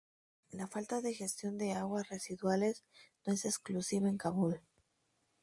La falta de gestión de aguas residuales no es exclusiva en Kabul.